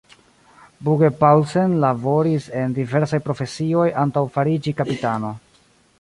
Bugge-Paulsen laboris en diversaj profesioj antaŭ fariĝi kapitano.